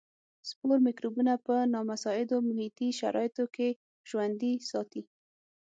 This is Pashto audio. سپور مکروبونه په نامساعدو محیطي شرایطو کې ژوندي ساتي.